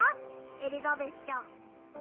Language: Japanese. エリザベスちゃん。